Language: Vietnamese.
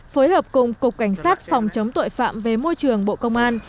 phối hợp cùng cục cảnh sát phòng chống tội phạm về môi trường bộ công an